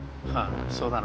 そうだな。